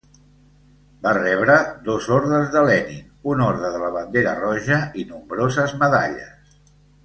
Va rebre dos Ordes de Lenin, un Orde de la Bandera Roja i nombroses medalles.